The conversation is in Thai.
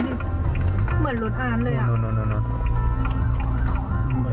เหมือนอันเลย